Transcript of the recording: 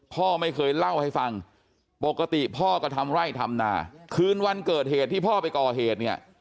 พ่อไม่เคยเล่าให้ฟังปกติพ่อก็ทำไร่ทำนาคืนวันเกิดเหตุที่พ่อไปก่อเหตุเนี่ย